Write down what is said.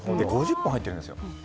５０本入ってるんですよ。